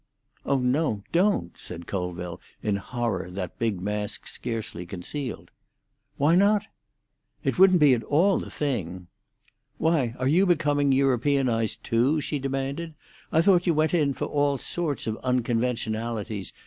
"Oh no, don't," said Colville, in horror that big mask scarcely concealed. "Why not?" "It wouldn't be at all the thing." "Why, are you becoming Europeanised too?" she demanded. "I thought you went in for all sorts of unconventionalities.